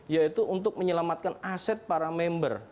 yaitu untuk menyelamatkan aset para member